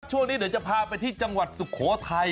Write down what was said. ช่วงนี้เดี๋ยวจะพาไปที่จังหวัดสุโขทัย